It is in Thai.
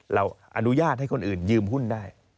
เราอนุญาตให้คนอื่นยืมหุ้นได้